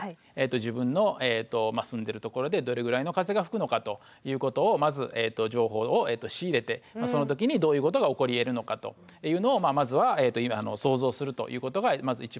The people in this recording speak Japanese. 自分の住んでる所でどれぐらいの風が吹くのかということをまず情報を仕入れてその時にどういうことが起こりえるのかというのをまずは想像するということがまず一番大事だと思います。